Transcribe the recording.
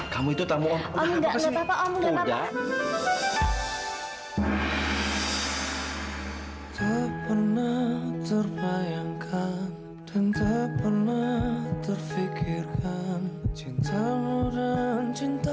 kamu itu tak mau om ke sini